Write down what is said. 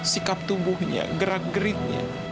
sikap tubuhnya gerak geriknya